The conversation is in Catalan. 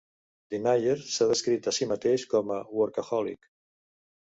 Denyer s'ha descrit a si mateix com un "workaholic".